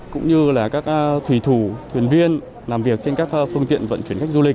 cũng như các thủy thủ thuyền viên làm việc trên các phương tiện vận chuyển khách du lịch